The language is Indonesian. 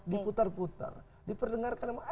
diputar putar diperdengarkan emang ada apa